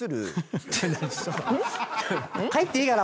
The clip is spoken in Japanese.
帰っていいかな？